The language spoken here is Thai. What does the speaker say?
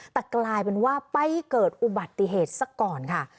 แต่กลายเป็นว่าไปเกิดอุบัติเหตุซะก่อนค่ะ